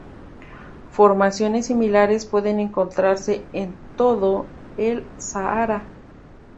Formaciones similares pueden encontrarse en todo el Sáhara.